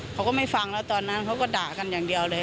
เขาก็ไม่ฟังแล้วตอนนั้นเขาก็ด่ากันอย่างเดียวเลย